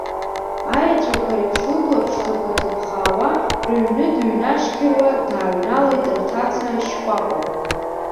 Аеҵәақәа реиԥш лыбла ԥшӡақәа ҭыԥхаауа, рыҩны дыҩнашьқьыруа дааҩналеит рҭаца Шькәакәа.